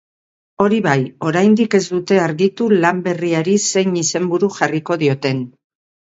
Hori bai, oraindik ez dute argitu lan berriari zein izenburu jarriko dioten.